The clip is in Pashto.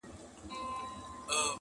o دا ئې اختر د چا کره ولاړ سو.